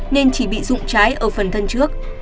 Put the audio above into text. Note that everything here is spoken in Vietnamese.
nên chỉ bị dụng trái ở phần thân trước